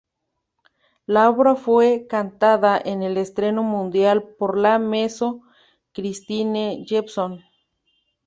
La obra fue cantada en el estreno mundial por la mezzo Kristine Jepson.